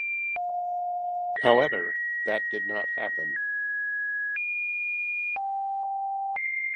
However, that did not happen.